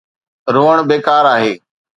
روئڻ بيڪار آهي.